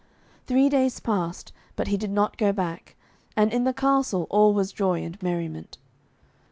Three days passed, but he did not go back, and in the castle all was joy and merriment.